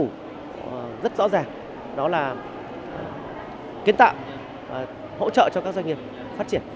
thông điệp của chính phủ rất rõ ràng đó là kiến tạo hỗ trợ cho các doanh nghiệp phát triển